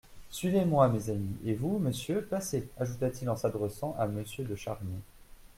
Suivez-moi, mes amis, et vous, monsieur, passez, ajouta-t-il en s'adressant à Monsieur de Charny.